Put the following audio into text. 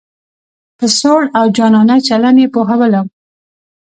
په سوړ او جانانه چلن یې پوهولم.